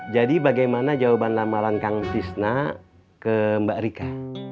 jadi bagaimana jawaban lamaran kang tisna ke mbak rika